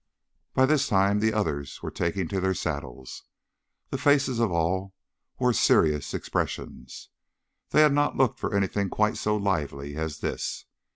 By this time the others were taking to their saddles. The faces of all wore serious expressions. They had not looked for anything quite so lively as this.